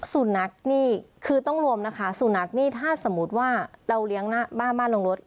สูตรนักนี่คือต้องรวมนะคะสูตรนักนี่ถ้าสมมติว่าเราเลี้ยงบ้านบ้านโรงรถ